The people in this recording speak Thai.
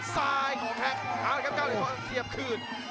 ซ้ายของแพ็คเอาละครับ๙เหรียญทองเสียบคืน